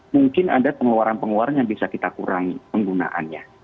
mungkin ada pengeluaran pengeluaran yang bisa kita kurangi penggunaannya